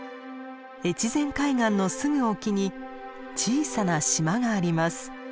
越前海岸のすぐ沖に小さな島があります。